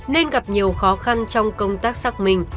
nên gặp nhiều khó khăn trong công tác xác minh